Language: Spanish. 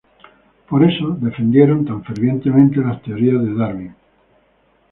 Por eso defendieron tan fervientemente las teorías de Darwin.